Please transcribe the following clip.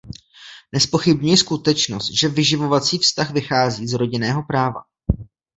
Nezpochybňuji skutečnost, že vyživovací vztah vychází z rodinného práva.